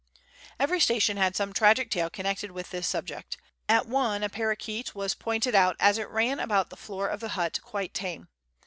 Every station had some tragic tale connected with this subject. At one, a paroquet was pointed out as it ran about the floor of the hut, quite tame.